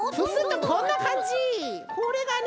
これがね